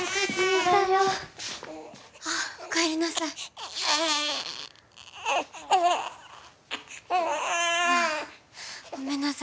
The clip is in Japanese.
ただいまああおかえりなさいごめんなさい